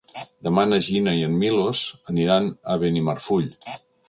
Demà na Gina i en Milos aniran a Benimarfull.